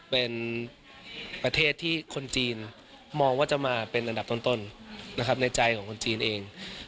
เป็นประเทศที่คนจีนมองว่าจะมาเป็นอันดับต้นนะครับในใจของคนจีนเอง